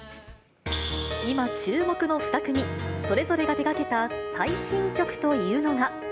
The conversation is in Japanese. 今、注目の２組、それぞれが手がけた最新曲というのが。